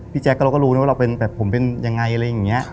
พี่แจ๊คเราก็รู้ว่าผมเป็นยังไง